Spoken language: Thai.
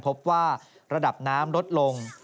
พบว่าระดับน้ำลดลง